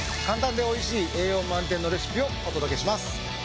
簡単で美味しい栄養満点のレシピをお届けします。